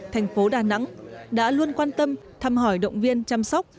thành phố đà nẵng đã luôn quan tâm thăm hỏi động viên chăm sóc